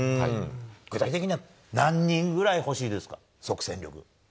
具体的には何人ぐらい欲しいですか、即戦力。